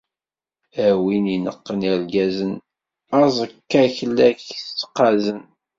A win ineqqen irgazen, aẓekka-k la k-t-qqazen.